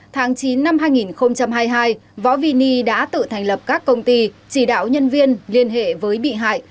tháng chín năm hai nghìn hai mươi hai võ vini đã tự thành lập các công ty chỉ đạo nhân viên liên hệ với bị hại